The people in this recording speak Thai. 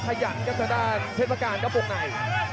พยายามจะด้านพยาบาลเทปประการแบบบุกใน